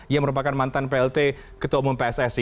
yang merupakan mantan plt ketua umum pssi